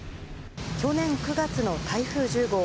去年９月の台風１０号。